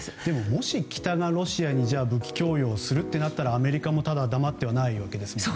もし北がロシアに武器供与をするとなったらアメリカも黙ってはいないわけですよね。